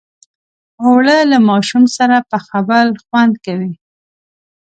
اوړه له ماشوم سره پخول خوند کوي